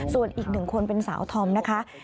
ส่วนอีกหนึ่งคนเป็นสาวธอมนะคะ